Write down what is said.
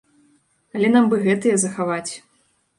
Але нам бы гэтыя захаваць.